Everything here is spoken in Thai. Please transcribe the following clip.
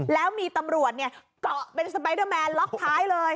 แล้วมีตำรวจเกาะเป็นสไปเดอร์แมนล็อกท้ายเลย